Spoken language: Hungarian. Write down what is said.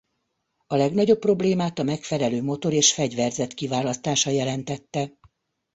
A legnagyobb problémát a megfelelő motor és fegyverzet kiválasztása jelentette.